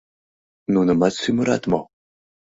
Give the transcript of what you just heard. Нунымат сӱмырат мо?